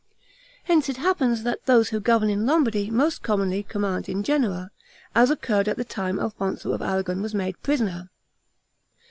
Hence it happens, that those who govern in Lombardy most commonly command in Genoa, as occurred at the time Alfonso of Aragon was made prisoner.